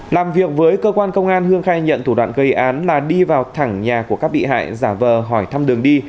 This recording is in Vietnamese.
làm việc với cơ quan công an hương khai nhận thủ đoạn gây án là đi vào thẳng nhà của các bị hại giả vờ hỏi thăm đường đi